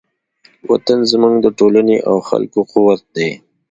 وطن زموږ د ټولنې او خلکو قوت دی.